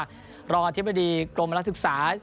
รองอธิบดีกรมนักศึกษา